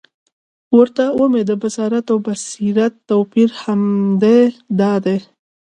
ورته ومي د بصارت او بصیرت توپیر همد دادی،